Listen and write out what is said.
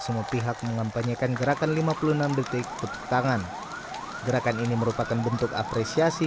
semua pihak mengampanyekan gerakan lima puluh enam detik tepuk tangan gerakan ini merupakan bentuk apresiasi